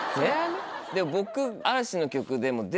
でも僕。